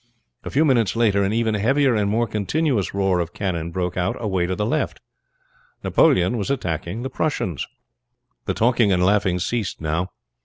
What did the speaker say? A few minutes later an even heavier and more continuous roar of cannon broke out away to the left. Napoleon was attacking the Prussians. The talking and laughing ceased now.